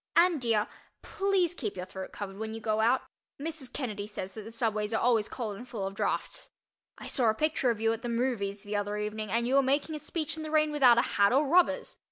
And, dear, please keep your throat covered when you go out—Mrs. Kennedy says that the subways are always cold and full of draughts. I saw a picture of you at the "movies" the other evening and you were making a speech in the rain without a hat or rubbers.